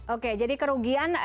oke jadi kerugian